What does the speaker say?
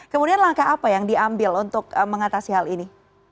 kemudian langkah apa yang diambil untuk mengatasi hal ini